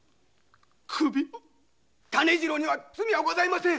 種次郎に罪はございません！